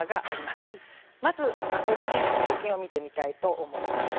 まず、ガソリンへの補助金を見てみたいと思います。